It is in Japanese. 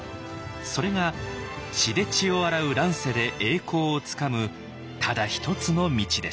それが血で血を洗う乱世で栄光をつかむただ一つの道でした。